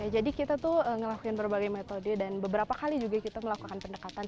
jadi kita tuh ngelakuin berbagai metode dan beberapa kali juga kita melakukan pendekatan